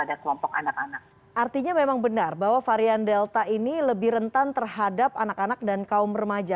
artinya memang benar bahwa varian delta ini lebih rentan terhadap anak anak dan kaum remaja